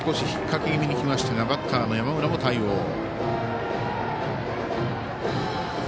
引っ掛け気味に来ましたがバッターの山村も対応。